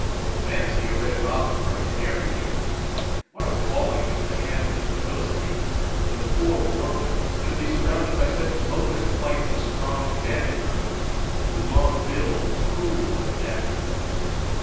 Fancy a red robin or a canary there! What a falling into the hands of the Philistines, when the poor warbler should be surrounded by such locust flights of strong bandit birds, with long bills cruel as daggers.